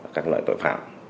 các loại tội phạm